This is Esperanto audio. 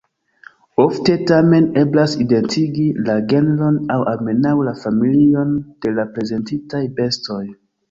Ofte tamen eblas identigi la genron aŭ almenaŭ la familion de la prezentitaj bestoj.